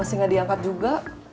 masih gak diangkat juga